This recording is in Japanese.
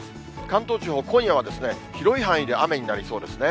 関東地方、今夜は広い範囲で雨になりそうですね。